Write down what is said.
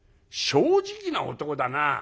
「正直な男だな。